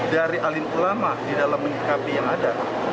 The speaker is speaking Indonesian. dari alim ulama di dalam menyikapi yang ada